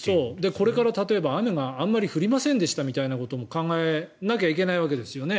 これから例えば雨があまり降りませんでしたということも考えなきゃいけないわけですよね。